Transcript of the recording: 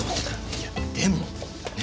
いやでもね？